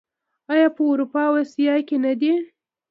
آیا په اروپا او اسیا کې نه دي؟